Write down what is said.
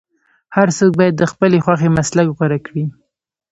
هر څوک باید د خپلې خوښې مسلک غوره کړي.